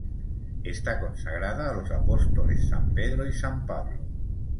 Está consagrada a los apóstoles San Pedro y San Pablo.